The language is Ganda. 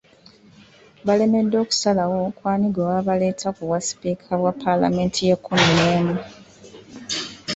Baalemeddwa okusalawo ku ani gwe baba baleeta ku bwa Sipiika bwa Palamenti y’ekkumi n'emu.